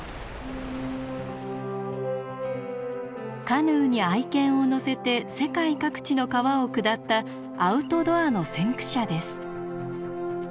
カヌーに愛犬を乗せて世界各地の川を下ったアウトドアの先駆者です。